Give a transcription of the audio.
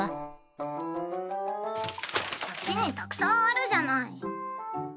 こっちにたくさんあるじゃない！